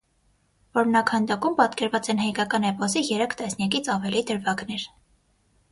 Որմնաքանդակում պատկերված են հայկական էպոսի երեք տասնյակից ավելի դրվագներ։